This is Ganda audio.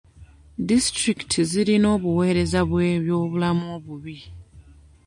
Disitulikiti ziyina obuweereza bw'ebyobulamu obubi.